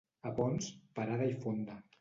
A Ponts, parada i fonda.